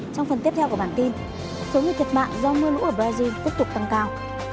trong phần tiếp theo của bản tin số người thiệt mạng do mưa lũ ở brazil tiếp tục tăng cao